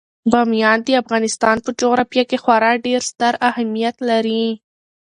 بامیان د افغانستان په جغرافیه کې خورا ډیر ستر اهمیت لري.